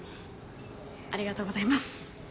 ありがとうございます。